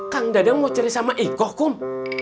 kang dadang mau cerai sama iko kum